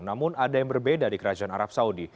namun ada yang berbeda di kerajaan arab saudi